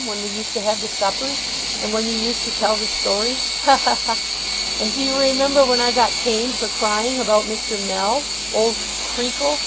When we used to have the suppers? And when you used to tell the stories? Ha, ha, ha! And do you remember when I got caned for crying about Mr. Mell? Old Creakle!